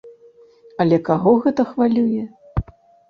Але каго гэта хвалюе?